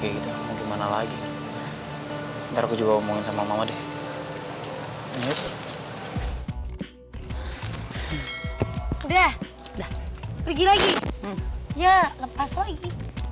gitu mau gimana lagi ntar aku juga omongin sama mama deh ini udah udah pergi lagi ya lepas lagi